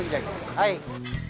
はい。